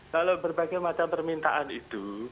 kalau berbagai macam permintaan itu